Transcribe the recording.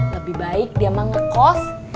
lebih baik dia mah ngekos